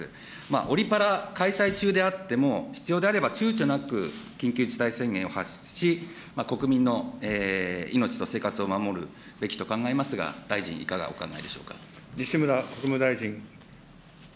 オリパラ開催中であっても、必要であればちゅうちょなく、緊急事態宣言を発出し、国民の命と生活を守るべきと考えますが、大臣、西村国務大臣。